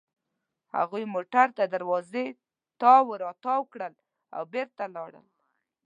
هغوی موټر تر دروازې تاو راتاو کړل او بېرته لاړل.